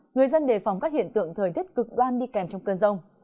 người dân đề phòng các hiện tượng thời tiết cực đoan đi kèm trong cơn rông